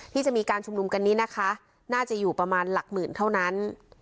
ที่จะมีการชุมนุมกันนี้นะคะน่าจะอยู่ประมาณหลักหมื่นเท่านั้น